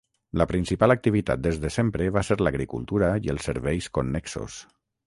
La principal activitat des de sempre va ser l'agricultura i els serveis connexos.